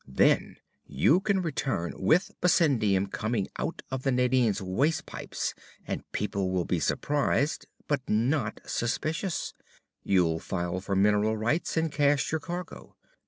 Then you can return with bessendium coming out of the Nadine's waste pipes and people will be surprised but not suspicious. You'll file for mineral rights, and cash your cargo.